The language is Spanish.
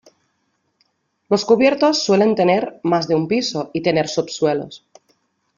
Los cubiertos suelen tener más de un piso y tener subsuelos.